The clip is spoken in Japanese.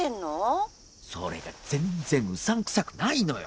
それが全然うさんくさくないのよ！